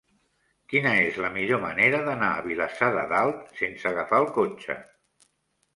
Quina és la millor manera d'anar a Vilassar de Dalt sense agafar el cotxe?